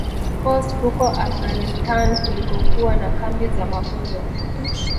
Khost huko Afghanistan kulikokuwa na kambi za mafunzo